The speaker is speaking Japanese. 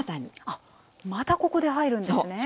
あっまたここで入るんですね！